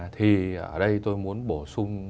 thì ở đây tôi muốn bổ sung